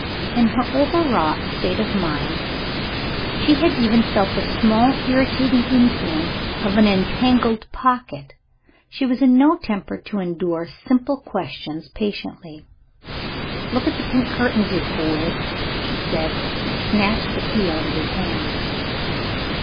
In her over wrought state of mind, she had even felt the small irritating influence of an entangled pocket. She was in no temper to endure simple questions patiently. "Look at the pink curtains, you fool!" she said and snatched the key out of his hand.